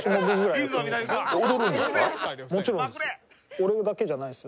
俺だけじゃないですよ。